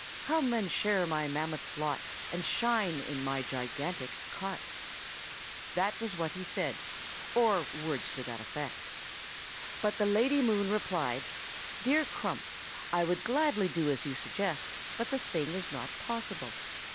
'Come and share my mammoth lot, And shine in my gigantic cot!' That was what he said, or words to that effect. "But the Lady Moon replied, 'Dear Crump, I would gladly do as you suggest, but the thing is not possible.